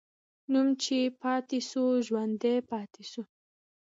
نوم چې پاتې سو، ژوندی پاتې سو.